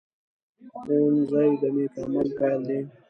ښوونځی د نیک عمل پيل دی